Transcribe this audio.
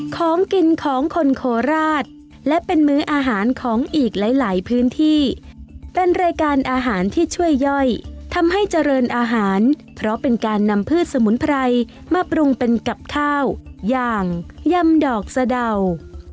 ของกินของคนโคราชและเป็นมื้ออาหารของอีกหลายพื้นที่เป็นรายการอาหารที่ช่วยย่อยทำให้เจริญอาหารเพราะเป็นการนำพืชสมุนไพรมาปรุงเป็นกับข้าวอย่างยำดอกสะเดา